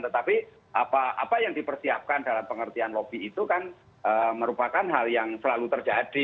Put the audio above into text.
tetapi apa yang dipersiapkan dalam pengertian lobby itu kan merupakan hal yang selalu terjadi